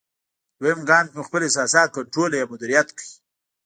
دوېم ګام کې مو خپل احساسات کنټرول یا مدیریت کړئ.